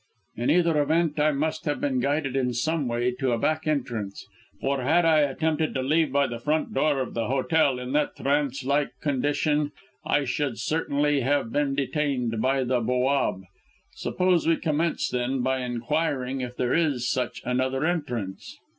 In either event, I must have been guided in some way to a back entrance; for had I attempted to leave by the front door of the hotel in that trance like condition, I should certainly have been detained by the bowwab. Suppose we commence, then, by inquiring if there is such another entrance?"